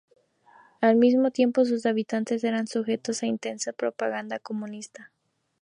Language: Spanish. Al mismo tiempo, sus habitantes eran sujetos a intensa propaganda comunista.